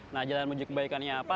nah jalan menuju kembalikannya apa